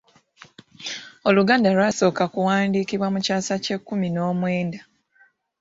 Oluganda lwasooka okuwandiikibwa mu kyasa ky’ekkumi n’omwenda.